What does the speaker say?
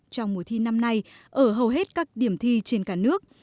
trong mùa thi năm nay ở hầu hết các điểm thi trên cả nước